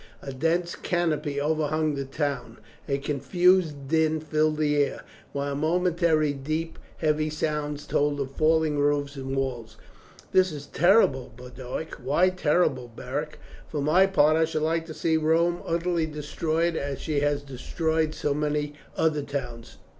A dense canopy overhung the town, a confused din filled the air, while momentarily deep heavy sounds told of falling roofs and walls. "This is terrible, Boduoc." "Why terrible, Beric? For my part I should like to see Rome utterly destroyed, as she has destroyed so many other towns."